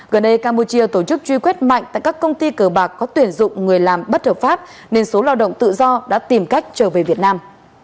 gần đây campuchia tổ chức truy quét mạnh tại các công ty cờ bạc có tuyển dụng người làm bất hợp pháp nên số lao động tự do đã tìm cách trở về việt nam